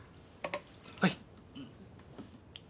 はい。